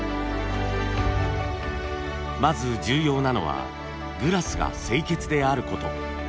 まず重要なのはグラスが清潔であること。